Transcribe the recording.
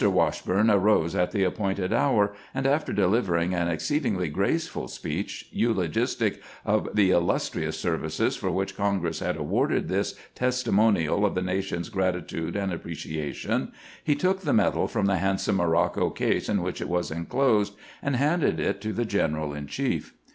Wash burne arose at the appointed hour, and after dehvering an exceedingly graceful speech eulogistic of the illus trious services for which Congress had awarded this testimonial of the nation's gratitude and appreciation, he took the medal from the handsome morocco case in which it was inclosed, and handed it to the general in chief.